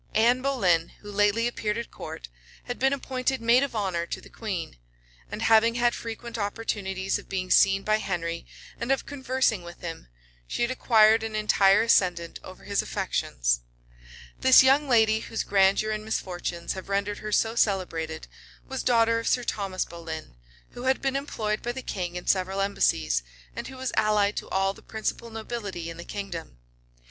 Anne Boleyn, who lately appeared at court, had been appointed maid of honor to the queen; and having had frequent opportunities of being seen by Henry, and of conversing with him, she had acquired an entire ascendant over his affections. This young lady, whose grandeur and misfortunes have rendered her so celebrated, was daughter of Sir Thomas Boleyn, who had been employed by the king in several embassies, and who was allied to all the principal nobility in the kingdom.